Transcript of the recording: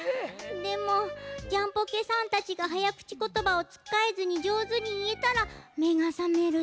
でもジャンポケさんたちがはやくちことばをつっかえずにじょうずにいえたらめがさめるとおもう。